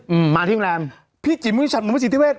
อืมมาที่โรงแรม